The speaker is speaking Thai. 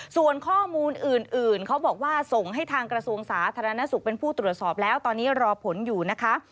ส่วนข้อมูลอื่นเขาบอกว่าส่งให้ทางกระทรวงสาธารณสุขเป็นผู้ตรวจสอบแล้วตอนนี้รอผลอยู่นะคะ